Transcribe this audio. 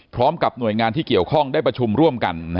พร้อมกับหน่วยงานที่เกี่ยวข้องได้ประชุมร่วมกัน